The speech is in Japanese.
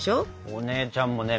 お姉ちゃんもね